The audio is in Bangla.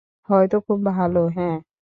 হয়তো খুব ভালো, হ্যাঁ।